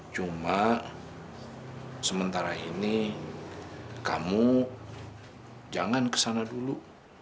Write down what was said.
cuma sementara ini kamu jangan kesana dulu